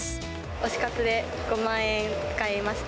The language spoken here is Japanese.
推し活で５万円使いました。